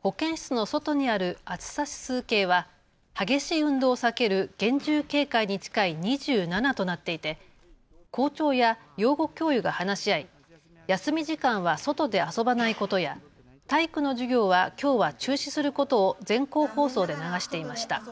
保健室の外にある暑さ指数計は激しい運動を避ける厳重警戒に近い２７となっていて校長や養護教諭が話し合い、休み時間は外で遊ばないことや体育の授業はきょうは中止することを全校放送で流していました。